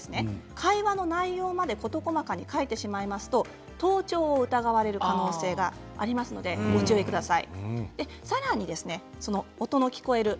会話の内容まで事細かに書いてしまいますと盗聴を疑われる可能性がありますのでご注意ください。